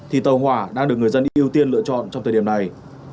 thì tàu hỏa đang được người dân ưu tiên lựa chọn trong thời điểm này